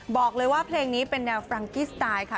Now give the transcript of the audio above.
บอกเลยว่าเพลงนี้เป็นแนวฟรังกี้สไตล์ค่ะ